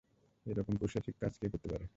এরকম পৈশাচিক কাজ কে করতে পারে?